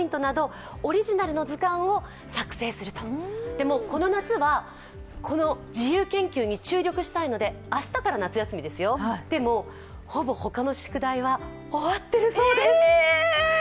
でも、この夏はこの自由研究に注力したいので明日から夏休みですよ、でもほぼ他の宿題は終わっているそうです。え！